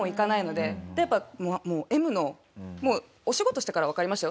でやっぱＭのもうお仕事してからわかりましたよ